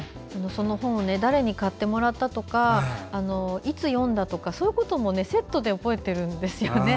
その本を誰に買ってもらったとかいつ読んだとか、そういうこともセットで覚えているんですよね。